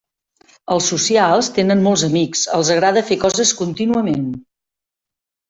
Els socials tenen molts amics, els agrada fer coses contínuament.